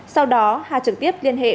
sau đó hà trực tiếp liên hệ